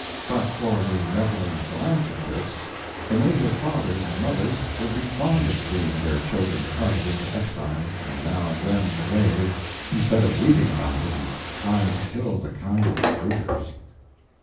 But for the meddling philanthropists, the native fathers and mothers would be fond of seeing their children carted into exile and now and then the grave, instead of weeping about it and trying to kill the kind recruiters.